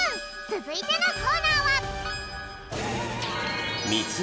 つづいてのコーナーは。